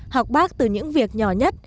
học bác từ những việc nhỏ nhất